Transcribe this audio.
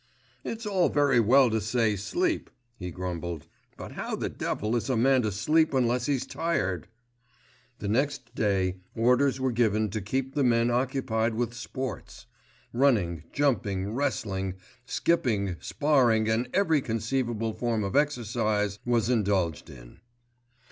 "It's all very well to say sleep," he grumbled, "But how the devil is a man to sleep unless he's tired?" The next day orders were given to keep the men occupied with sports. Running, jumping, wrestling, skipping, sparring and every conceivable form of exercise was indulged in.